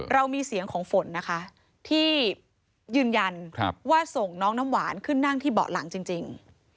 เรามีเสียงของฝนนะคะที่ยืนยันว่าส่งน้องน้ำหวานขึ้นนั่งที่เบาะหลังจริง